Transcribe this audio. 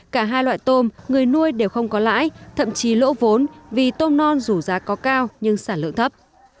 cả hai loại tôm người nuôi đều không có lãi thậm chí lỗ vốn vì tôm non dù giá có cao nhưng sản lượng thấp